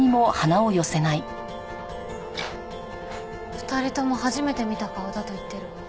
２人とも初めて見た顔だと言ってるわ。